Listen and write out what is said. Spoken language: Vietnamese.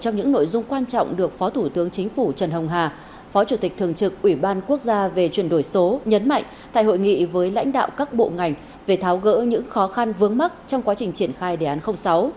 trong những nội dung quan trọng được phó thủ tướng chính phủ trần hồng hà phó chủ tịch thường trực ủy ban quốc gia về chuyển đổi số nhấn mạnh tại hội nghị với lãnh đạo các bộ ngành về tháo gỡ những khó khăn vướng mắt trong quá trình triển khai đề án sáu